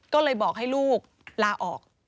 ก็เลยบอกให้ลูกลาออก